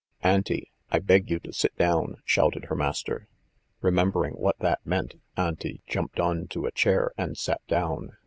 "Auntie, I beg you to sit down!" shouted her master. Remembering what that meant, Auntie jumped on to a chair, and sat down.